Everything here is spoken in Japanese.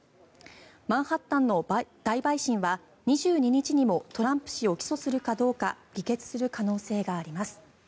マンハッタンの大陪審は２２日にもトランプ氏を起訴するかどうか議決する可能性があります。